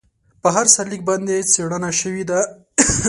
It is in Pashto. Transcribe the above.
په هر سرلیک باندې څېړنه شوې ده.